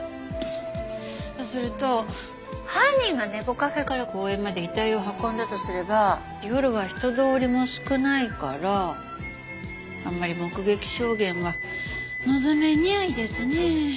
とすると犯人が猫カフェから公園まで遺体を運んだとすれば夜は人通りも少ないからあんまり目撃証言は望めにゃいですね。